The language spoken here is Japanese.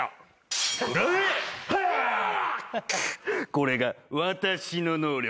これが私の能力